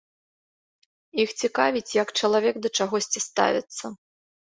Іх цікавіць, як чалавек да чагосьці ставіцца.